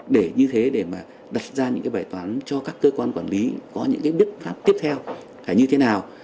để như thế để mà đặt ra những cái bài toán cho các cơ quan quản lý có những cái biện pháp tiếp theo như thế nào